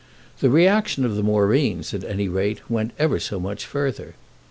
The reaction of the Moreens, at any rate, went ever so much further.